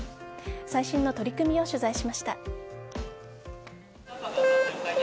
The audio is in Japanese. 最新の取り組みを取材しました。